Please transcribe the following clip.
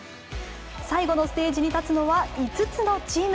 最後のステージに立つのは５つのチーム。